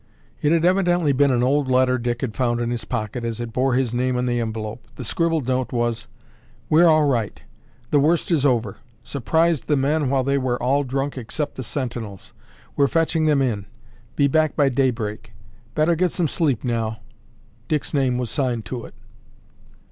It had evidently been an old letter Dick had found in his pocket as it bore his name on the envelope. The scribbled note was: "We're all right. The worst is over. Surprised the men while they were all drunk except the sentinels. We're fetching them in. Be back by daybreak. Better get some sleep now." Dick's name was signed to it.